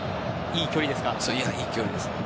いい距離ですね。